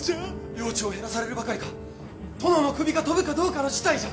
領地を減らされるばかりか殿の首が飛ぶかどうかの事態じゃ。